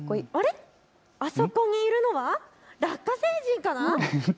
あそこにいるのはラッカ星人かな。